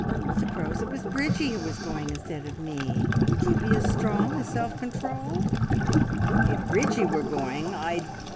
Suppose it was Bridgie who was going instead of me? would you be as strong and self controlled?" "If Bridgie were going I'd